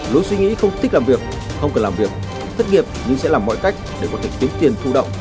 lối suy nghĩ không thích làm việc không cần làm việc thất nghiệp nhưng sẽ làm mọi cách để có thể tính tiền thu động